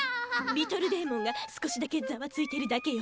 リトルデーモンが少しだけざわついてるだけよ。